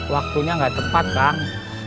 waktunya gak tepat kang